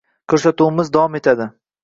Ko‘rsatuvimiz davom etadi.